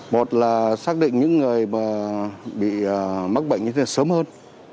một là xác định những người mà bị mắc bệnh như thế sớm hơn